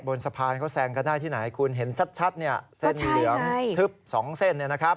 บนสะพานเขาแซงกันได้ที่ไหนคุณเห็นชัดเนี่ยเส้นเหลืองทึบ๒เส้นเนี่ยนะครับ